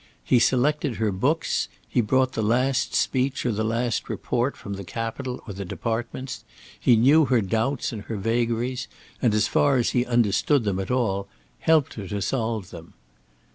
He selected her books; he brought the last speech or the last report from the Capitol or the departments; he knew her doubts and her vagaries, and as far as he understood them at all, helped her to solve them.